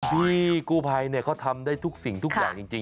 พี่กู้ภัยเขาทำได้ทุกสิ่งทุกอย่างจริง